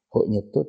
phải học được